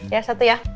ya satu ya